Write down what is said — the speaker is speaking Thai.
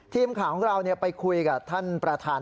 ทีมข่าวของเราไปคุยกับท่านประธาน